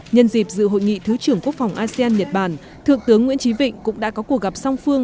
nhân dịp dự hội nghị thứ trưởng quốc phòng asean nhật bản thượng tướng nguyễn trí vịnh cũng đã có cuộc gặp song phương